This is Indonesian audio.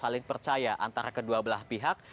dipercaya antara kedua belah pihak